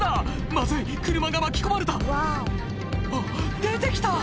まずい車が巻き込まれたあっ出てきた！